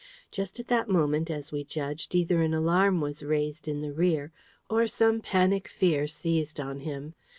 Just at that moment, as we judged, either an alarm was raised in the rear, or some panic fear seized on him.